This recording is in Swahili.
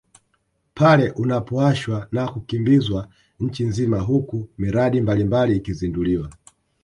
Pale unapowashwa na kukimbizwa nchi nzima huku miradi mbalimbali ikizinduliwa